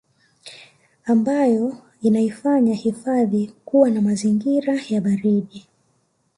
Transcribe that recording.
ambayo inaifanya hifadhi kuwa na mazingira ya baridi